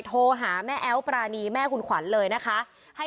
โทรหาแม่แอ๊วปรานีแม่คุณขวัญเลยนะคะ